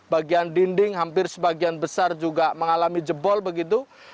bagian dinding hampir sebagian besar juga mengalami jebol begitu